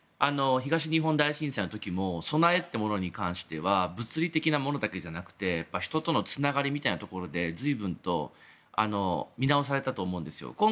東日本大震災の時も備えっていうものに関しては物理的なものだけじゃなくて人とのつながりみたいな部分で随分と見直されたと思うんですよ。